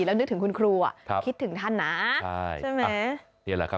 แล้วนึกถึงคุณครูคิดถึงท่านนะใช่ไหม